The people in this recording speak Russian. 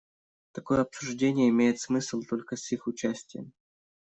Такое обсуждение имеет смысл только с их участием.